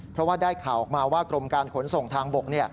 เพราะว่าได้ข่าวออกมาว่ากรมการขนส่งทางบก